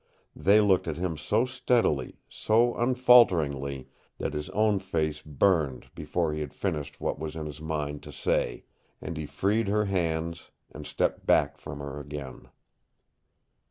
They looked at him so steadily, so unfalteringly, that his own face burned before he had finished what was in his mind to say, and he freed her hands and stepped back from her again.